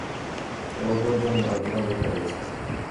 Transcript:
কেবল তোর জন্যে ওর জীবন ভিক্ষা দিয়েছি।